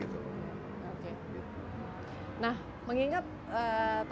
nah mengingat tentunya pentingnya sumber data